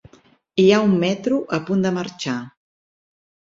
Hi ha un metro a punt de marxar.